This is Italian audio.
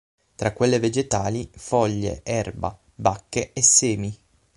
Tra quelle vegetali foglie, erba, bacche e semi.